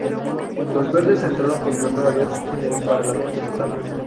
Los Verdes entraron por primera vez en el parlamento estatal.